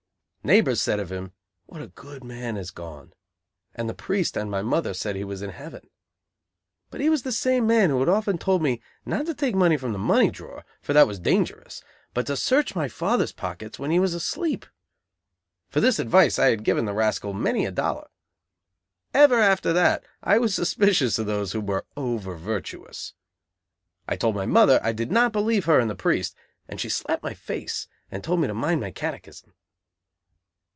Neighbors said of him: "What a good man has gone," and the priest and my mother said he was in heaven. But he was the same man who had often told me not to take money from the money drawer, for that was dangerous, but to search my father's pockets when he was asleep. For this advice I had given the rascal many a dollar. Ever after that I was suspicious of those who were over virtuous. I told my mother I did not believe her and the priest, and she slapped my face and told me to mind my catechism.